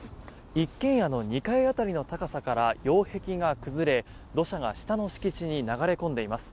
一軒家の２階辺りの高さから擁壁が崩れ土砂が下の敷地に流れ込んでいます。